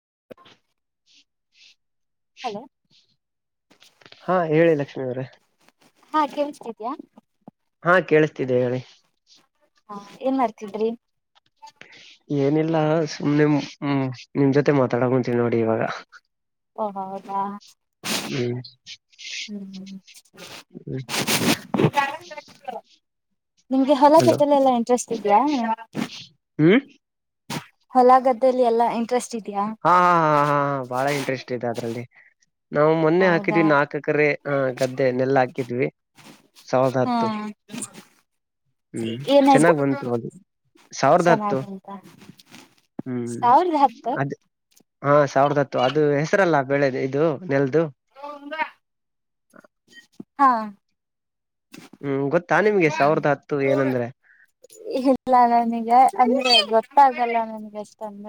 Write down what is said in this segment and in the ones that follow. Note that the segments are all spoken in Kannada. [unintelligible] ಹಲೋ ಹಾ ಹೇಳಿ ಲಕ್ಷ್ಮೀವ್ರೆ ಹಾ ಕೇಳ್ಿಸತಿದ್ಯಾ ಹಾ ಕೇೇಳಸ್ತಿದ್ದೆ ಹೇಳಿ ಹಾ ಏನ್ ಮಾಡ್ತಿದ್ರಿ ಏನಿಲ್ಲ ಸು್ ನಿಮ್್ಮ ನಿಮ್ ಜೊತೆ ಮಾತಾಡಕ ಕುಂತೀಿ ನೋಡಿ ಇವಾಗ ಹಓ ಹೌದಾ ಹ್ಮ್ ಹ್ಮ ಹ್ಮ್ [unintelligible] ನಿಮ್ಗೆ ಹೊಲ ಹಲೋ ಬಟ್ಟಲೆ ಎಲ್ಲಾ ಇಂಟ್ರೆಸ್ಟ್ ಇದೆಯಾ ಹ್ಮ್ ಹೊಲ ಗದ್ದಲಿ ಎಲ್ಲ ಇಂಟ್ರೆಸ್ಟ್ ಇ ಹಾ ಹಾ ಹಾ ಹಾ ಹ ಬಾಳ ಇಂಟ್ರೆಸ್ಟ್ ಇದೆ ಅದ್ರಲ್ಲಿ ನಾವು ಮೊನ್ನೆ ಹೌದಾ ಹಾಕಿದ್ವಿ ನಾಕ ಯಕರೆ ಆ ಗದ್ದೆ ನೆಲ್ಲ ಹಾಕಿದ್ವಿ ಸಾವಿರದ ಹಾ ಹತ್ತು ಹ್ಮ್ ಏನಯ್ತ ಚೆನ್ನಾಗ್ ಬಂತು ಅದು ಸಾವಿರದ ಚೆನ್ನಾಗ ಹತ್ತು ಉಂತ ಹ್ಮ್ ಸಾವಿರದ ಹತ್ತ ಅದ್ ಹಾ ಸಾವಿರದ ಹತ್ತು ಅದು ಹೆಸರಲ್ಲಾ ಬೆಳೆ ಇದು ನೆಲ್ ಹಾ ಹ್ಮ್ ಗೊತ್ತಾ ನಿಮ್ಗೆ ಸಾವಿರ್ದ ಹತ್ತು ಏನಂದ್ರೆ ಇಲ್ಲ ನನಗೆ ಅಂದೆ ಗೊತ್ತಾಗಲ್ಲ ನನ್ಗೆ ಎಷ್ಟೊಂದ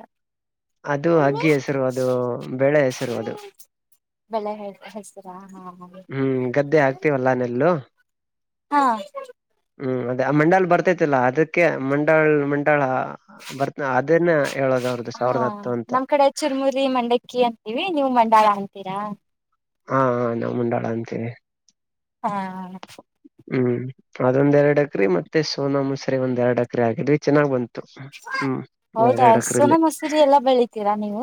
ಅದು ಹಗ್ಗಿ ಹೆಸರುವುದು ಬೆಳೆ ಹೆಸರುವುದು ಬೆಳೆ ಹ ಹೆಸರಾ ಹಾ ಹ ಹ್ಮ್ ಗದ್ದೆ ಹಾಕ್ತಿವಲ್ಲಾ ನೆಲ್ಲು ಹಾ ಹ್ಮ್ ಅದೇ ಆ ಮಂಡಾಲ್ ಬರ್ತೇತಿಲ್ಲ ಅದಕ್ಕೆ ಮಂಡಾಲ್ ಮಂಡಳ ಬರ್ತ ಅದನ್ನ ಹೇಳೋದು ಅವ್ರದ್ದು ಹಾ ಸಾವಿರದ ಹತ್ತು ಅಂತ ನಮ್ ಕಡೆ ಚುರ್ಮುರಿ ಮಂಡಕ್ಕಿ ಅಂತೀವಿ ನೀವು ಮಂಡಾಳ ಅಂತೀರಾ ಹಾ ಹ ನಾ ಮುಂಡಾಳ ಅಂತೇವಿ ಹಾ ಹ್ಮ್ ಅದೊಂದ್ ಎರಡ್ ಅಕ್ರಿ ಮತ್ತೆ ಸೋನಾ ಮುೊಸ್ರ ಒಂದ್ ಎರಡ್ ಅಕ್ರ ಆಗಿದ್ವಿ ಚೆನ್ನಾಗ್ ಬಂತ ಹ್ಮ್ ಹೌದಾ ಹಸುನ ಎರಡೇರಡೇಕ್ರಲ್ಲಿ ಮಸೂರಿ ಎಲ್ಲಾ ಬೆಳಿತೀರಾ ನೀವು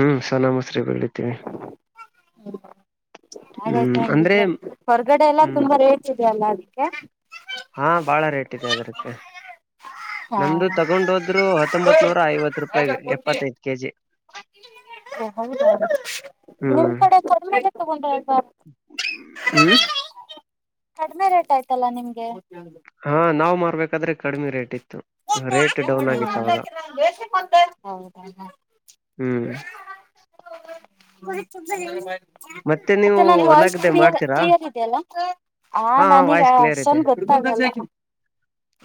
ಹ್ಮ್. ಚನ್ನಾಮಸರಿ ಬೆಳಿತೀವಿ ಹಾಗಾಯ್ತ ಹ್ಮ್ ಅಂದ್ರೆ ಹಂಗಿದ್ರೆ ಹೊರಗಡೆ ಎಲ್ಲಾ ಹ್ಮ್ ತುಂಬಾ ರೇಟ್ ಇದೆ ಅಲ್ಲಾ ಅದಕ್ಕೆ ಕಟ್ಟದರ್ಕ್ಕೆ ಹಾ ನಮ್ದು ತಗೊಂಡೋದ್ರು ಹತ್ತೊಂಬತ್ ನೂರ ಐವತ್ ರೂಪಾಯ ಎಪ್ಪತ್ತೈದು ಕೆಜಿ ಹೌದ ನಿಮ್ ಕಡೆ ಕಮ ತಗೊಂಡ [inaudible] ಹ್ಮ ಕಡಿಮೆ ರೇಟ್ ಆಯ್ತಲ್ಲ ನಿಮ್ಗೆ [unintelligible] ಹಾ ನಾವ್ ಮಾರ್ಬೇಕಾದ್ರೆ ಕಡಿಮೆ ರೇಟ್ ಇತ್ತು ರೇಟ್ ಡೌನ್ ಆಗಿತ್ತು ಅವಾಗ ಮಾಡ ಹೌದ [unintelligible] ಹ್ಮ್ ನೀವು ಮತ್ತೆ ನನ್ ಹೊಲ ವಾಯ್ಸ್ ಗದ್ದೆ ಕ್ಲಿಯ ಮಾಡ್ತೀರಾ ಕ್ಲಿಯರ್ ಇದೆಯಲ್ಲ. ಹಾ ನನೀಗ ವಾಯ್ಸ್ ಕ್ಲಿಯರ್ ಇದೆ ಅಷ್ಟನ್ ಗೊತ್ತಾಗಲ್ಲ.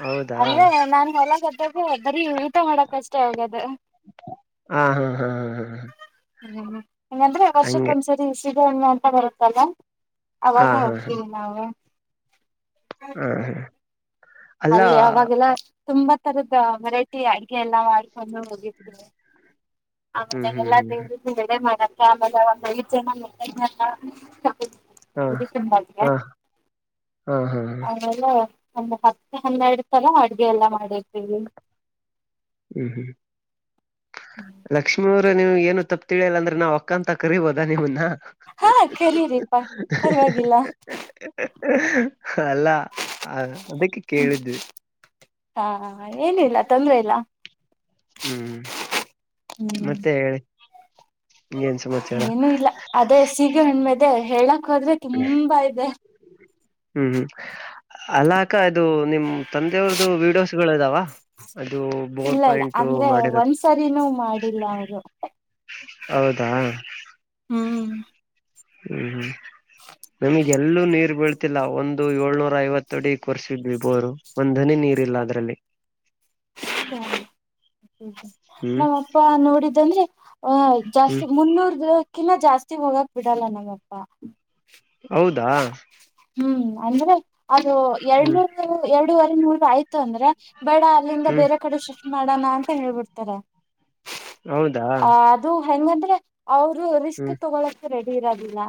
ಹೌದಾ ಅಂದ್ರೆ ನಾ ಹೊಲ ಗದ್ದೆಗೆ ಬರೀ ಊಟ ಮಾಡಕ್ ಅಷ್ಟೇ ಹೊಗದ. ಹಾ ಹಾ ಹಾ ಹಾ ಹಾ ಹ್ಮ್ ಹೆಂಗಂದ್ರೆ ಹಂಗೆ ವರ್ಷಕ್ಕೊಂದ್ಸರಿ ಸಿಬೇ ಹುಣ್ಣಿಮೆ ಅಂತ ಬರುತ್ತಲ್ಲ. ಹಾ ಅವಾಗ ಹೋಗ್ತೀವಿ ನಾವು. ಹ ಹ ಅಲ್ಲಿ ಅವಾಗೆಲ್ಲ ತುಂಬಾ. ತರದ ವೇರಾಯಿಟಿ ಅಡಗೆ ಎಲ್ಲ ಮಾಡ್ಕೊಂಡು ಹೋಗಿರ್ತಿವ. ಹ್ಮ್ ಆಮೇಲೆ ಹ್ಮ್ ಎಲ್ಲಾ ಹ್ಮ್ ಹ್ಮ್ ದೇವ್ರೀಗ ಎಡೆ ಮಾಡದ. ಆಮೇಲೆ ಒಂದ ಐದ ಜನ ಮುತ್ತೈೆತನ. ಹಾ ಸಂಬಾದ ಹಾ [unintelligible] ಹಾ ಹಾ ಹಾ ಆಮೇಲ್ಲ ಒಂದು ಹತ್ತು ಹನ್ನೆರಡು ಸಲ ಅಡ್ಗೆ ಎಲ್ಲ ಮಾಡಿರ್ತೀವಿ. ಹ್ಮ್ ಹ್ಮ್ ಲಕ್ಷ್ಮೀ ನೀವು ಏನು ತಪ್ಪ ತಿಳಿಯಿಲ್ಲ ಅಂದ್ರ ನಾವು ಅಕ್ಕಂತ ಕರಿಬೋದಾ ನಿಮ್ಮನ್ನ. ಹಾ ಕೇರಿರಿಪಾ ಪರವಾಗಿಲ್ಲ. ಅಲ್ಲ ಆ ಅದಕ್ಕ ಕೇಳಿದ್ವಿ. ಹಾ ಏನು ಇಲ್ಲ ತೊಂದ್ರೆ ಇಲ್ಲ. ಹ್ಮ್ ಹ್ಮ್ ಮತ್ತೆ ಹೇಳಿ ಏನ್ ಸಮಾಚಾರ ಏನು ಇಲ್ಲ ಅದೇ ಸೀಗೆ ಹುಣ್ಮೇದೆ ಹೇಳ. ಕ ಹೊದ್ರೆ ತುಂಬಾ ಇದೆ. ಹ್ಮ್ ಹ್ಮ್ ಅಲ್ಲ ಅಕ್ಕ ಇದು ನಿಮ್ ತಂದೆಯವ್ರ್ದ ವಿಡಿಯೋಸ್ಗಳು ಇದಾವ. ಅದು ಬೋರ್ ಇಲ್ಲ ಇಲ್ಲ ಪಾಯಿಂಟ್ ಅಂದ್ರೆ ಮಾಡಿರದು. ಒಂದ್ಸರಿನೂ ಮಾಡಿಲ್ಲ ಅವರು ಹೌದಾ ಹ್ಮ್ ಹ್ಮ್ ಹ್ಮ್ ನಮಗ್ ಎಲ್ಲೂ ನೀರ್ ಬೀಳ್ತಿಲ್ಲ ಒಂದು ಏಳ್ನೂರ ಐವತ್ತ ಅಡಿ ಕೊರ್ಸಿದ್ವಿ ಬೋರು ಒಂದ್ಧನಿ ನೀ ರಿಲ್ಲ ಅದ್ರಲ್ಲಿ. ಹೌದಾ ಹ್ಮ್ ನಮ್ಮ ಅಪ್ಪ ನೋಡಿದಂದ್ರೆ. ಓಯ ಹ್ಮ್ ಜಾಸ್ತಿ ಮುನ್ನೂರು ದಕಿಲ್ ಜಾಸ್ತಿ ಹೋಗಕ್ ಬಿಡಲ್ಲ ನಮ್ಮಪ್ಪ. ಹೌದಾ ಹ್ಮ್ ಅಂದ್ರೆ ಅದು ಹ್ಮ್ ಎರಡ್ನೂರು ಎರಡೂವರೆ ನೂರು ಆಯ್ತು ಅಂದ್ರ. ಬೇಡ ಅಲ್ಲಿಂದ ಹ್ಮ್ ಬೇರೆ ಕಡೆ ಶಿಫ್ಟ್ ಮಾಡೋಣ ಅಂತ ಹೇಳಬಿಡ್ತಾರೆ. ಹೌದಾ ಹೆಂಗಂದ್ರೆ ಅವರು ರಿಸ್ಕ್ ಹ್ಮ್ ತಗೊಳಕ ರೆಡಿ ಇರದಿಲ್ಲ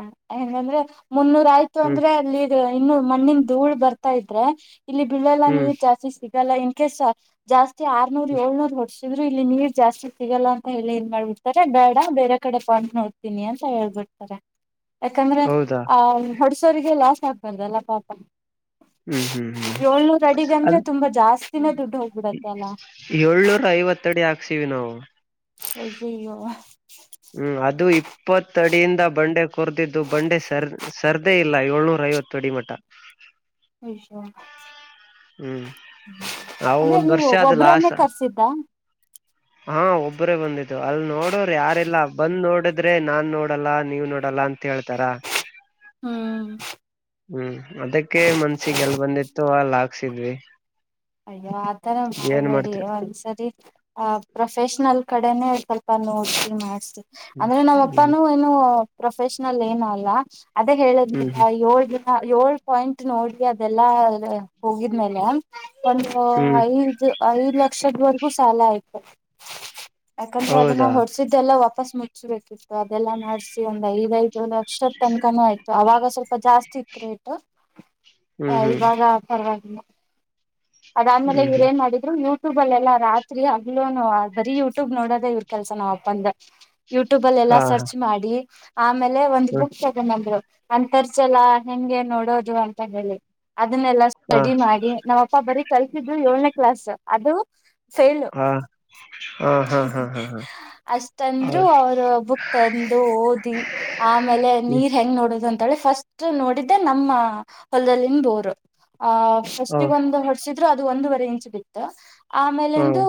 ಹೆಂಗಂದ್ರೆ. ಮುನ್ನೂರ ಆಯ್ತು ಹ್ಮ್ ಅಂದ್ರೆ ಅಲ್ಲಿದು ಇನ್ನು ಮಣ್ಣಿನ್ ಧೂಳ್ ಬರ್ತಾ ಇದ್ರೆ. ಇಲ್ಲಿ ಬಿಳಲ್ಲ ಹ್ಮ್ ನೀರ್ ಜಾಸ್ತಿ ಸಿಗಲ್ಲ ಇನ್ ಕೇಸ್ ಜಾಸ್ತಿ ಆರ್ನೂರ್ ಏಳ್ನೂರ್ ಹೊಡ್ಸ ದ್ರು ಇಲ್ಲಿ ನೀರ್ ಜಾಸ್ತಿ ಸಿಗಲ್ಲ ಅಂತ ಹೇಳಿ ಏನ್ ಮಾಡ್ಬಿಡ್ತಾರೆ ಬೇಡ ಬೇರೆ ಕಡೆ ಪಾಯಿಂಟ್ ನೋಡ್ತೀನಿ ಅಂತ ಹೇಳ್ಬಿ ತರೆ ಯಾಕಂದ್ರೆ. ಹೌದಾ ಆ ಹೊಡ್ಸೋರಿಗೆ ಲಾಸ್ ಆಗ್ಬಾರ್ದಲ್ಲ ಪಾಪ. ಹ್ಮ್ ಹ್ಮ್ ಹ್ಮ್ ಏಳ್ನೂರು ಅಡಿಗ ಅಂದ್ರೆ ಅದ್ ತುಂಬಾ ಜಾಸ್ತಿನೆ ದುಡ್ಡು ಹೋಗ್ಬಿಡತ್ತಲ್ಲ. ತ್ತಡಿ ಹಾಕ್ಸಿವಿ ನಾವು. ಅಯ್ಯಯ್ಯೋ ಹ್ಮ್ ಅದು ಇಪ್ಪತ್ತ ಅಡಿಯಿಂದ ಬಂಡೆ ಕೊರ್ದಿದ್ದು ಬಂಡೆ ಸರ್ ಸರ್ದೇ ಇಲ್ಲ ಏಳ್ನೂರ ಐವತ್ತು ಅಡಿ ಮಠ. ಐಶೂ ಹ್ಮ್ ಅವು ಅಂದ್ರೆ ಒಂದ್ ನೀವು ವರ್ಷ ಅದು ಒಬ್ರನ್ನೇ ಲಾಸ್ ಕರ್ಸಿದ್ದಾ. ಹಾ ಒಬ್ಬರೇ ಬಂದ್ ಅಲ್ ನೋಡೋರ ಯಾರಲ್ಲ ಬಂದ್ ನೋಡಿದ್ರೆ ನಾನ್ ನೋಡಲ್ಲ ನೀವ್ ನೋಡಲ್ಲ ಅಂತ ಹೇಳ್ತಾರ ಹ್ಮ್ ಹ್ಮ್ ಅದಕ್ಕೆ ಮನ್ಸಿಗೆ ಎಲ್ಲ ಬಂದಿ ತ ಅಲ್ಲ ಹಾಕ್ಸಿದ್ವಿ ಅಯ್ಯೋ ಆತರ ಏನ್ ಹಳ್ಬೇಡಿ ಮಾಡ್ತೀರ ಒಂದ್ಸರಿ ಆಹ ಪ್ರೊಫೆಷ್ನಲ್ ಕಡೆನೆೇ ಸ್ವಲ್ಪ ನೋಡ್ಸಿ ಮಾಡಸ ಹ್ಮ್ ಅಂದ್ರೆ ನಮ್ಮ ಹ್ಮ್ ಅಪ್ಪಾನೂ ಏನು ಪ್ರೊಫೆಷನಲ್ ಏನ ಅಲ್ಲ ಅದೇ ಹೇಳದ್ ಹ್ಮ್ ಹ್ಮ್ ಏಳ್ ಹ ಏಳ್ ಪಾಯಿಂಟ್ ನೋಡ್ರಿ ಅದೆಲ್ಲಾ ಹೋಗಿದ್ಮೇಲೆ ಒಂದು ಹ್ಮ್ ಆಐ ಆಐ ಲಕ್ಷ ವರಗು ಸಲ ಇತ್ತು ಯಾಕಂದ್ರೆ ಅದನ್ನ ಹೌದಾ ಹೊಡ್ಸಿದ್ದೆಲ್ಲಾ ವಾಪಸ್ ಮುಚ್ಚಬೇಕಿತ್ತು ಅದೆಲ್ಲಾ ಮಾಡ್ಸಿ ಒಂದ್ ಐದ ಐದು ಇ ಲಕ್ಷದ ತನಕಾನ ಆಯ್ತು ಅವಾಗ ಸ್ವಲ್ಪ ಜಾಸ್ತಿ ಇತ್ತು ರೇಟ್ ಹ್ಮ್ ಹ ಹ್ಮ್ ಇವಾಗ ಪರವಾಗಿಲ್ಲ ಅದಾದ್ಮೇಲೆ ಹ್ಮ್ ಇವರು ಹ್ಮ್ ಹೇನ್ ಮಾಡಿದ್ರು ಯೂಟ್ಯೂಬ್ ಅಲ್ಲ ಎಲ್ಲಾ ರಾತ್ರಿ ಬರೀ ಯೂಟ್ಯೂಬ್ ನೋಡದ ಇವ್ರ ಕೆಲ್ಸ ನಾವ್ ಅಪ್ಪಂದ ಯೂಟ್ಯೂಬ್ ಅಲ್ಲಿ ಎಲ್ಲಾ ಹಾ ಹಾ ಸರ್ಚ್ ಮಾಡಿ ಆಮೇಲೆ ಒಂದು ಹ್ಮ್ ಬುಕ್ ತಗೊಂಡ್ಂದರು ಅಂತಂತರ್ಸಲ್ಲ ಹೆಂಗೆ ನೋಡೋದು ಅಂತ ಹೇಳಿ ಅದನ್ನೆಲ್ಲಾ ಹಾ ಸ್ಟಡಿ ಮಾಡಿ ನಮ್ಮ ಬರಿ ಕಲ್ಸಿದ್ದು ಏಳನೇ ಕ್ಲಾಸ್ ಅದು ಫೈಲ್ ಹಾ ಹಾ ಹಾ ಹಾ ಹಾ ಹಾ ಅಷ್ಟಂದ್ರರು ಹೌದ್ ಅವರು ಬುಕ್ ತಂದು ಓದಿ ಆಮೇಲೆ ಹ್ಮ್ ನೀರ್ ಹೆಂಗ ನೋಡೋದ ಅಾಳೆ ಫಸ್ಟ್ ನೋಡಿದ್ದೆ ನಮ್ಮ ಹೊಲದಲ್ಲಿಂದೋರು ಆಹ್ ಫಸ್ಟ್ಗ ಹೌದ್ ಒಂದು ಇದ್ರರು ಅದು ಒಂದುವರೆ ಇಂಚ್ ಬಿತ್ತು ಹ್ಮ್ ಆಮೇಲೆಂದು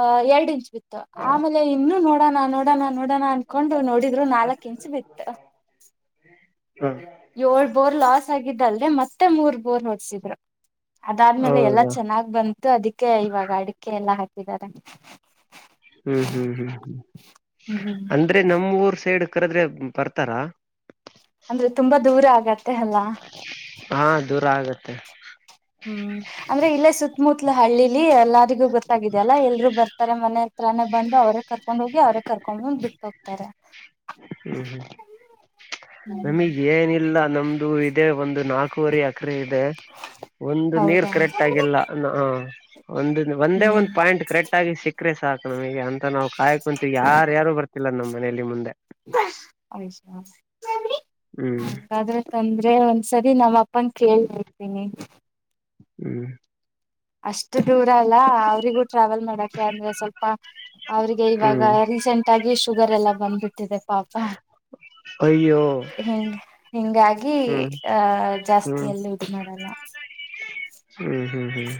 ಅಹ ಎರಡ್ ಇಂಚ್ ಬಿತ್ತು ಆಮೇಲೆ ಇನ್ನುೂ ನೋಡೋಣ ನೋಡೋಣ ನೋಡೋಣ ಅನ್ಕೊಂಡು ನೋಡಿದ್ರು ನಾಲ್ಕ್ ಇಂಚ್ ಬಿತ್ತ ಹ್ಮ್ ಏಳ್ ಬೋರ್ ಲಾಸ್ ಆಗಿದ್ದಲ್ದೆ ಮತ್ತೆ ಮೂರ್ ಬೋರ್ ನೋಡ್ಸಿದ್ರು ಅದಾದ್ಮೇಲೆ ಎಲ್ಲಾ ಹೌದಾ ಚೆನ್ನಾಗ್ ಬಂತು ಅದಕ್ಕೆ ಇವಾಗ ಅಡಿಕೆ ಎಲ್ಲಾ ಹಾಕಿದಿದ್ದಾರೆ ಹ್ಮ್ ಹ್ಮ್ ಹ್ಮ್ ಹ್ಮ್ ಹ್ಮ್ ಅಂದ್ರೆ ನಮೂಊರ್ ಸೈಡ್ ಕದ್ರೆ ಬರ್ತಾರಾ ಅಂದ್ರೆ ತುಂಬಾ ದೂರ ಆಗತ್ತೆ ಅಲ್ಲಾ ಹಾ ದೂರ ಆಗತ್ತೆ ಹ್ಮ್ ಅಂದ್ರೆ ಇಲ್ಲೇ ಸುತ್ತಮುತ್ತಲ ಹಳ್ಳಿಲಿ ಎಲ್ಲಾರಿಗೂ ಗೊತ್ತಾಗಿದಲ್ಲಾ ಎಲ್ರು ಬರ್ತಾರೆ ಮನೆ ಹತ್ರಾನೇ ಬಂದು ಅವ್ರೇ ಕರ್ಕೊಂಡ್ ಹೋಗಿ ಅವ್ರೇ ಕರ್ಕೊಂಡ್ ಬಂದು ಬಿಟ್ಟ ಹೋಗ್ತಾರೆ ಹ್ಮ್ ಹ್ಮ್ ನಮಗ್ ಏನಿಲ್ಲ ನಮ್ದು ಇದೇ ಒಂದು ನಾಲ್ಕುವರಿ ಅಕರೆ ಇದೆ ಒಂದು ನೀರ್ ಹೌದಾ ಕರೆಕ್ಟ್ ಆಗಿಲ್ಲ ಒಂದ ಒಂದೇ ಹ್ಮ್ ಒಂದ್ ಪಾಯಿಂಟ್ ಕರೆಕ್ಟ್ ಆಗಿ ಸಿಕ್ಕ್ರೆ ಸಾಕು ನಮಗೆ ಅಂತ ನಾವು ಆಯ್ಕ್ ಕುಂತು ಯಾರ ಯಾರು ಬರ್ತಿಲ್ಲ ನಮ್ಮ್ ಮನೆಯಲ್ಲಿ ಮುಂದೆ ಹ ಹ್ಮ್ ತಂದ್ರೆ ಒಂದ್ಸರಿ ನಮ್ಮ ಅಪ್ಪನ್ ಕೇಳ್ ನೋಡ್ತೀನಿ ಹ್ಮ್ ಅಷ್ಟು ದೂರ ಅಲ್ಲ ಅವ್ರಿಗೂ ಟ್ರಾವೆಲ್ ಮಾಡಕೆ ಅಂದ್ರೆ ಸ್ವಲ್ಪ ಅವ್ರಿಗೆ ಇವಾಗ ಹ್ಮ್ ರೀಸೆಂಟ್ ಆಗಿ ಶುಗರ್ ಎಲ್ಲ ಬಂದ್ಬಿಟ್ಟಿದೆ ಪಾಪ ಅಯ್ಯೋ ಹಿಂಗ ಹಿಂಗಾಗಿ ಹ್ಮ್ ಆಹ ಹ್ಮ್ ಜಾಸ್ತಿಯಲ್ಲಿ ಇದು ಮಾಡಲ್ಲ ಹ್ಮ್ ಹ್ಮ್ ಹ್ಮ್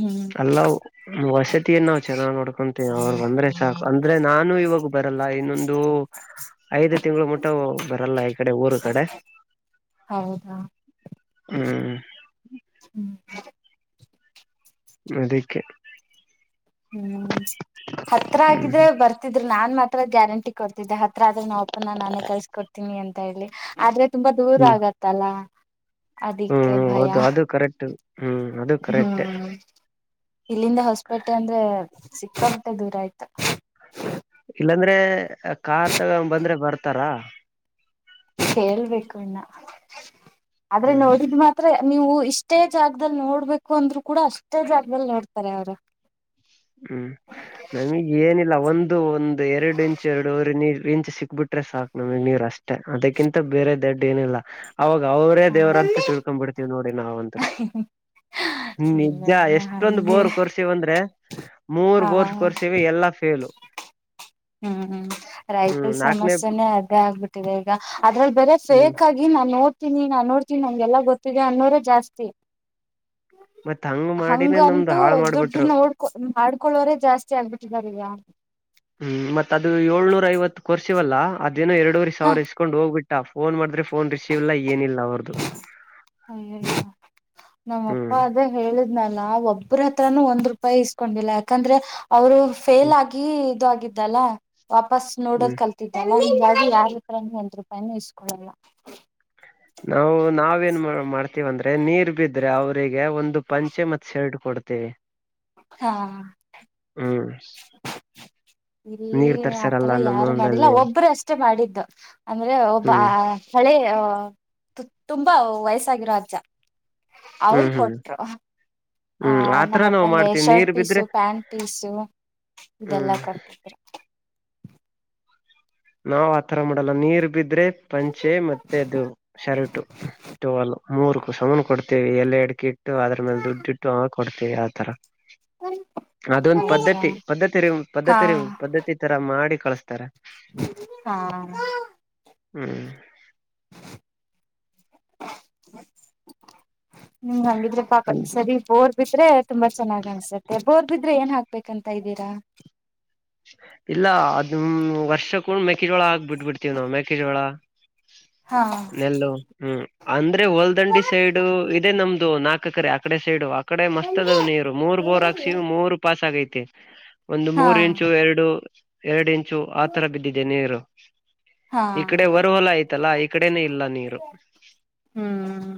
ಹ್ಮ್ ಅಲ್ಲ ವಸತಿಯನ್ನ ನಾವ್ ಚೆನ್ನಾಗ್ ನೋಡ್ಕೊಂತೀ ಅವ್ರ ಬಂದ್ರೆ ಸಾಕು ಅಂದ್ರೆ ನಾನು ಇವಾಗ ಬರಲ್ಲ ಇನ್ನೊಂದು ಐದು ತಿಂಗಳು ಮುಟ್ಟ ಬರಲ್ಲ ಈ ಕಡೆ ಊರ್ ಕಡೆ ಹೌದಾ ಹ್ಮ್ ಹ ನಡಿಕ್ಕೆ ಹ್ಮ್ ಹತ್ರ ಆಗಿದ್ರೆ ಹ್ಮ್ ಬರ್ತಿದ್ರ್ ನಾನ್ ಮತ್ ತ್ರ ಗ್ಯಾರಂಟಿ ಕೊಡ್ತಿದ್ದೆ ಹತ್ರ ಆದ್ರೆ [unintelligible] ನಾವುಪ ನಾನೇ ಕಳ್ಸ್ಕೊಡ್ತೀನಿ ಅಂತ ಹೇಳಿ ಆದ್ರೆ ತುಂಬಾ ದೂರ ಆಗತ್ತಲ್ಲಾ ಹ್ಮ್ ಹೌದು ಅದು ಕರೆಕ್ಟ್ ಹ್ಮ್ ಅದು ಕರೆಕ್ಟ್ ಇಲ್ಲಿಂದ ಹೊಸಪೇಟ್ಟೆ ಅಂದ್ರೆ ಸಿಕ್ಕಾಬಟ್ಟೆ ದೂರ ಆಯ್ತು ಇಲ್ಲಾಂದ್ರೆ ಕಾರ್ ತಗೊಂಡ್ ಬಂದ್ರೆ ಬರ್ತಾರ ಹೇಳ್ಬೇಕು ಅಣ್ಣ ಆದ್ರೆ ಹ್ಮ್ ನೋಡಿದ್ ಮಾತ್ರ ನೀವು ಇಷ್ಟೇ ಜಾಗದಲ್ಲಿ ನೋಡ್ಬೇಕು ಅಂದ್ರು ಕೂಡ ಅಷ್ಟೇ ಜಾಗದಲ್ಲಿ ನೋಡ್ತಾರೆ ಅವ್ರು ಹ್ಮ್ ನಮಿಗ್ ಏನಿಲ್ಲ ಒಂದು ಒಂದು ಎರಡು ಇಂಚ್ ಎರಡುವರ್ ನೀರ್ ಕಿಂಚ್ ಸಿಕ್ಬಿಟ್ರೆ ಸಾಕ್ ನಮಗ್ ನೀರ್ ಅಷ್ಟೇ ಅದಕ್ಕಿಂತ ಬೇರೆ ದೊಡ್ ಏನಿಲ್ಲ ಅವಾಗ ಅವ್ರೇ ದೇವ್ರ್ ಹಾ ಅಂತ್ ತಿಳ್ಕೊಂಡ್ ಬಿಡ್ತೀವಿ ನೋಡಿ ನಾವಂತೃ ನಿಜ ಎಷ್ಟೊಂದ್ ಹಂಗೆ ಬೋರ್ ಕೊರ್ಸೀವ್ ಅಂದ್ರೆ ಮೂರ್ ಬೋರ್ಸ್ ಹಾ ಕೋರ್ಸವಿ ಎಲ್ಲಾ ಫೇಲು ಹ್ಮ್ ಹ್ಮ್ ಹ್ಮ್ ರೈತ್ರ್ ನಾಲ್ಕನೇ ಸಮಸ್ಯೆನೆೇ ಅದೇ ಆಗ್ಬಿಟ್ಟಿದೆ ಈಗ ಅದ್ರಲ್ಲಿ ಬೇರೆ ಹ್ಮ್ ಫೇಕ್ ಆಗಿ ನಾನ್ ನೋ ತನಿ ನಾ ನೋಡ್ತೀನಿ ನಮ್ಗೆಲ್ಲ ಗೊತ್ತಿದೆ ಅನ್ನೋರೆ ಜಾಸ್ತಿ ಬತ್ತಾ ಹಂಗಂತೂ ದುಡ್ಡು ನೋಡ್ಕೊ ಮಾಡಕೊಳೋರೆೇ ಜಾಸ್ತಿ ಆಗ್ಬಿಟ್ಟಿದಾರೆ ಈಗ ಹ್ಮ್ ಮತ್ ಅದು ಏಳ್ನೂರ ಐವತ್ತು ಕೊರ್ಸಿವಲ್ಲಾ ಅದೇನೋ ಎರಡೂವರೆ ಹ ಸಾವಿರ ಇಸ್ಕೊಂಡ್ ಹೋಗ್ಬಿಟ್ ಅ ಫೋನ್ ಮಾಡಿದ್ರೆ ಫೋನ್ ರಿಸೀವ್ ಇಲ್ಲಾ ಏನಿಲ್ಲಾ ಅವ್ರ್ದು ಹಯ ನಮ್ಮಪ್ಪ ಹ್ಮ್ ಅದೇ ಹೇಳಿದ್ನಲ್ಲ ಒಬ್ರತ್ ಒಂದ್ ರೂಪಾಯಿ ಇಸ್ಕೊಂಡಿಲ್ಲ ಯಾಕಂದ್ರೆ ಅವರು ಫೇಲ್ ಹ್ಮ್ ಆಗಿ ಇದ್ ಆಗಿದ್ದಲ್ಲ ವಾಪಸ್ ನೋಡೋದ್ ಹ್ಮ್ ಕಲ್ತಿದ್ದಲ್ಲ ಹಂಗಾಗಿ ಯಾರತ್ರನು ಒಂದ್ ರೂಪಾಯಿನು ಇಸ್ಕೊಡಲ್ಲ ನಾವು ನಾವೇನ್ ಮ ಮಾಡ್ತೀವ್ ಅಂದ್ರೆ ನೀರ್ ಬಿದ್ರೆ ಅವ್ರಿ ಎ ಒಂದು ಪಂಚೆ ಮತ್ ಶರ್ಟ್ ಕೊಡ್ತೇವಿ ಹಾ ಹ [inaudible] ಇಲ್ಲಿ ನೀರ್ ಆತರ ತರ್ಸಾರಲ್ಲ ನಮ್ಮ ಯಾರು ಮಾಡಿಲ್ಲ ಹೊಲ್ದಲ್ಲಿ ಒಬ್ರು ಅಷ್ಟೆ ಮಾಡಿದ್ದು ಅಂದ್ರೆ ಒಬ್ ಹ್ಮ್ ಹಳೆ [unintelligible] ತುಂಬಾ ವಯಸ್ಸಾಗಿರೋ ಅಜ್ಜ ಅವರು ಹ್ಮ್ ಹ್ಮ್ ಕೊಟ್ರು ಆ ಹ್ಮ್ ಆತರ ನಮ್ಮ ನಾವ್ ಅಪ್ಪಂಗೆ ಮಾಡ್ತೀವಿ ಶರ್ಟ್ ನೀರ್ ಪೀಸು ಬಿದ್ರೆ ಪ್ಯಾಂಟ್ ಪೀಸು ಇದೆಲ್ಲಾ ಹ್ಮ್ ಕೊಟ್ಟಿದ್ರ ನಾವ್ ಆತರ ಮಾಡಲ್ಲ ನೀರ್ ಬಿದ್ರೆ ಪಂಚೆ ಮತ್ತೆ ಅದು ಶರ್ಟ್ ಟವಲು ಮೂರ್ ಕುಸಮನ್ ಕೊಡ್ತೇವಿ ಎಲೆ ಆಡ್ಕೆ ಇಟ್ಟು ಅದ್ರ ಮೇಲೆ ದುಡ್ಡು ಇಟ್ಟು ಅವ [unintelligible] ಕೊಡ್ತೇವಿ ಆತರ ಅದೊಂದ್ ಹೌದಾ ಪದ್ಧತಿ ಪದ್ಧತಿ ಹಾ ಪದ್ಧತಿ ರ ಪದ್ಧತಿ ತರ ಮಾಡಿ ಕಳ್ಸ್ತಾರೆ ಹಾ ಹ್ಮ್ ನಿಮ್ಗೆ ಹಂಗಿದ್ರೆ ಪಾಪ ಈ ಸರಿ ಬೋರ್ ಬಿದ್ರೆ ತುಂಬಾ ಚೆನ್ನಾಗ್ ಅನ್ಸುತ್ತೆ ಬೋರ್ ಬಿದ್ರೆ ಏನ್ ಹಾಕ್ಬೇಕಂತ ಇದ್ದೀರಾ [unintelligible] ಇಲ್ಲ ಅದ ವರ್ಷ ಕೂಂಡ ಮೆೇಕೆಜೋಳ ಆಾಕ್ಬ ಬಿಟ್ಬಿಡ್ತೇವಿ ನಾವವು ಮೆೇಕೆಜೋಳ [unintelligible] ಹಾ ನೆಲ್ಲು ಹ್ಮ್ ಅಂದ್ರೆ ಹೊಲ್ದಂಡಿ ಸೈಡು ಇದೆ ನಮ್ದು ನಾಕ್ ಹಾಕಕರೆ ಆಕಡೆ ಸೈಡು ಆಕಡೆ ಮಸ್ತ್ ಅದ್ ನೀರು ಮೂರ್ ಬೋರ್ ಹಾಕ್ಸಿವ್ ಮೂರ್ ಪಾಸ್ ಆಗೈತಿ ಒಂದು ಹಾ ಮೂರ್ ಇಂಚ್ ಎರಡ್ ಇಂಚು ಆತರ ಬಿದ್ದಿದೆ ನೀರು ಹಾ ಈ ಕಡೆ ವರುವಲ್ಲ ಐತಲ್ಲಾ ಈಕಡೆನೆ ಇಲ್ಲ ನೀರು ಹ್ಮ್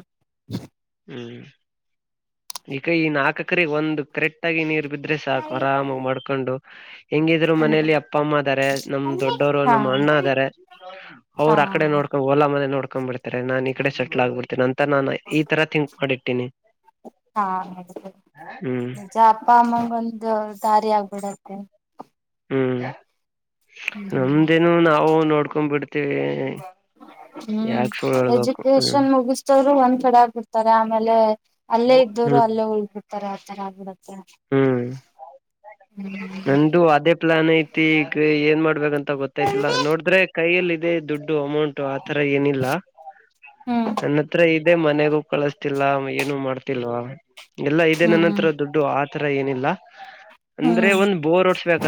ಹ್ಮ್ [unintelligible] ಈ ನಾಲ್ಕಕರೆ ಒಂದು ಕರೆಟ್ ಆಗಿ ನೀರು ಬಿದ್ರೆ ಸಾಕು ಆರಾಮ ಮಾಡ್ಕೊಂಡು ಹೆಂಗಿದ್ರು ಮನೇಲಿ ಅಪ್ಪ ಅಮ್ಮ ಆದರೆ ನಮ್ ದೊಡ್ಡವರು ಹಾ ಅಣ್ಣ ಅರೆ ಅವ್ರ ಹಾ ಅಕಡೆ ನೋಡ್ಕೋ ಓಲಾ ಮನೆ ನೋಡ್ಕ ಕಕೊಂಡ್ಬಿಡ್ತಾರೆ ನಾನ್ ಈ ಕಡೆ ಸೆಟ್ಲ್ ಆಗ್ಬಿಡ್ತೇನೆ ಅಂತ ನಾನ್ ಈ ತರ ತಿಥಂಕ್ ಮಾಡಿಟ್ಟೀನಿ ಹಾ ಹ್ಮ್ ನಿಜ ಅಪ್ಪ ಅಮ್ಮಗೆ ಒಂದು ದಾರಿ ಆಗ್ಬಿಡತ್ತೆ ಹ್ಮ್ ನಮ್ದೇನು ನಾವು ನೋಡ್ಕೊಂಡ್ ಬಿಡ್ತೇವಿ ಹ್ಮ್ ಹ್ಮ್ ಎಜುಕೇಶನ್ ಮುಗಿಸತವ್ರು ಒಂದ್ ಕಡೆ ಆಗ್ಬಿಡ್ತಾರೆ ಆಮೇಲೆ ಅಲ್ಲೇ ಇದ್ದವ್ರು ಹ್ಮ್ ಅಲ್ಲೇ ಉಳಳ್ಬ ಬಿಡ್ತಾರೆ ಆತರ ಆಗ್ಬಿಡ ಹ್ಮ್ ಹ್ಮ್ ನಂದು ಅದೇ ಪ್ಲಾನ್ ಐತಿ ಈಗ ಏನ್ ಮಾಡ್ಬೇಕಂತ ಗೊತ್ತಾಯ್ತಿಲ್ಲ ನೋಡಿದ್ರೆ ಕೈಯಲ್ಲಿ ದುಡ್ಡು ಅಮೌಂಟ್ ಆತರ ಏನಿಲ್ಲ ಹ್ಮ್ ನನ್ನ ಹತ್ರ ಮನೆಗೂ ಕಳಿಸ್ತಿಲ್ಲ ಏನು ಮಾಡ್ತಿಲ್ವಾ ಎಲ್ಲಾ ಇದದೆ ಹ್ಮ್ ನನ್ನ ಹ್ಮ್ ಹತ್ರ ದುಡ್ಡು ಆ [unintelligible] ಏನಿಲ್ಲ ಅಂದ್ರೆ ಒಂದ್ ಹ್ಮ್ ಬೋರ್ ಹೊಡಿಬೇಕು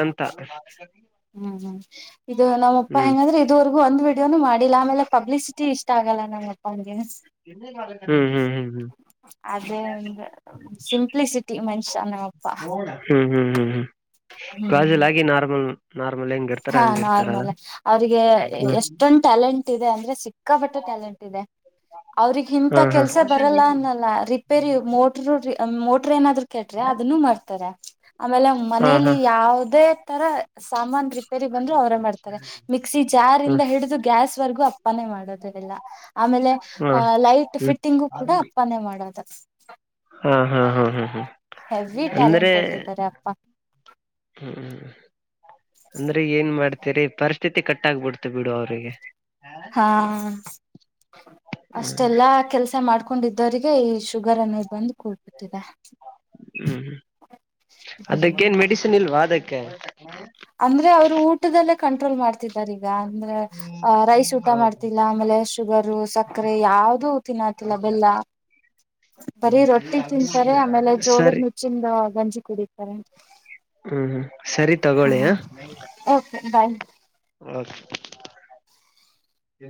ಹ್ಮ್ ಇದು ನಮ್ಮಪ್ಪ ಹ ಹೆಂಗಂದ್ರೆ ಇದರೆಗ ಒಂದ್ ವಡಿಯೋನು ಮಾಡಿಲ್ಲ ಆಮೇಲೆ ಪಬ್ಲಿಸಿಟಿ ಇಷ್ಟ ಆಗಲ್ಲ ನಮ್ಮಪ್ಪ ಅ ಹ್ಮ್ ಹ್ಮ್ ಹ್ಮ್ ಹ್ಮ್ ಅದೇಂದ ಸಿಂಪ್ಲಿಸಿಟಿ ಮನುಷ್ಯನಮ್ಮಪ್ಪಾ ಹ್ಮ್ ಹ್ಮ್ ಹ್ಮ್ ಕಾಜುಲ ನಾರ್ಮಲ್ ನಾರ್ಮಲ್ ಹೆಂಗ ಇರ್ತಾರ ಹಾ ಹಂಗ ಇರ್ತಾರ ನಾರ್ಮಲ್ ಅವ್ರಿಗೆ ಹ್ಮ್ ಎಷ್ಟೊಂದು ಟ್ಯಾಲೆಂಟ್ ಇದೆ ಅಂದ್ರೆ ಸಿಕ್ಕಾ ಸಿಕಪಟೆ ಟ್ಯಾಲೆಂಟ್ ಇದೆ ಅವ್ರಿಗೆ ಇಂತ ಹಾ ಹಾ ಕೆಲ್ಸ ಬರಲ್ಲ ಅನ್ನಲ್ಲ ರಿಪೇರಿ ಮೋಟರು ಮೋಟ್ರ ಏನಾದ್ರು ಕಟ್ರೆ ಅದನ್ನು ಮಾಡ್ತಾರೆ ಆಮೇಲೆ ಹಾ ಮನಲಿ ಹಾ ಯಾವುದೇ ತರ ಸಾಮನ್ ರಿಪೇರಿ ಬಂದ್ರು ಅವರೇ ಮಾಡ್ತಾರೆ ಮಿಕ್ಸಿ ಜಾರ್ ಹ್ಮ್ ಇಂದ ಹಿಡಿದು ಗ್ಯಾಸ್ ವರೆಗೂ ಅಪ್ಪನೆ ಮಾಡೋದ ಎಲ್ಲ ಆಮೇಲೆ ಹಾ ಆ ಲೈಟ್ ಹ್ಮ್ ಫಿಟ್ಟಿಂಗು ಕೂಡ ಅಪ್ಪನೆ ಮಾಡೋದ ಹಾ ಹಾ ಹಾ ಹಾ ಹಾ ಹೆವಿ ಅಂದ್ರೆ ಟ್ಯಾಲೆಂಟೆಡ್ ಇದ್ದಾರೆ ಅಪ್ಪ ಹ್ಮ್ ಅಂದ್ರೆ ಏನ್ ಮಾಡ್ತರಿ ಪರಿಸ್ಥಿತಿ ಕಟ್ಟಾಗಬಿಡ್ತು ಬಿಡು ಅವ್ರಿಗೆ ಹಾ ಹ್ಮ್ ಅಷ್ಟೆಲ್ಲಾ ಕೆಲ್ಸ ಮಾಡ್ಕ ಕೊಂಡಿದ್ದವರಿಗೆ ಈ ಶುಗರ್ ಅನ್ನೋದು ಬಂದು ಕೂಡ್ ಹ್ಮ್ ಹ್ಮ್ ಹ್ಮ್ ಅದಕ್ಕೇನ್ ಮೆಡಿಸಿನ್ ಇಲ್ವಾ ಅದಕ್ಕೆ ಅಂದ್ರೆ ಅವ್ರು ಊಟದಲ್ಲೇ ಕಂಟ್ರೋಲ್ ಮಾಡ್ತಿದ್ದಾರೆ ಅಂದ್ರೆ ರೈಸ್ ಊಟ ಹೌದು ಮಾಡ್ತಿಲ್ಲ ಆಮೇಲೆ ಶುಗರ್ ಸಕ್ಕರೆ ಯಾವವುದೂ ತಿನ್ನತಿಲ್ಲ ಬೆಲ್ಲ ಬರಿೀ ಸರಿ ರೊಟ್ಟಿ ತಿನ್ಸರಿ ಆಮೇಲೆ ಹ್ಮ್ ಜೋಳದ ಸರಿ ಮುಚ್ಚಿಂದ ಗಂಜಿ ಕುಡಿತಾರೆ ಹ್ಮ್ ಹ್ಮ್ ಸರಿ ಹಾ ತಗೋಳಯ ಓಕೆ ಬಾಯ್ [unintelligible]